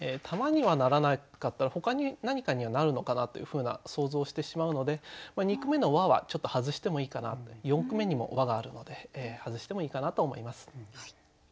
玉にはならなかったらほかに何かにはなるのかなというふうな想像をしてしまうので二句目の「は」はちょっと外してもいいかな四句目にも「は」があるので外してもいいかなと思います。